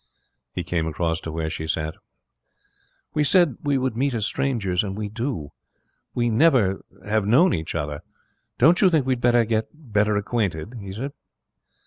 He came across to where she sat. 'We said we would meet as strangers, and we do. We never have known each other. Don't you think we had better get acquainted?' he said.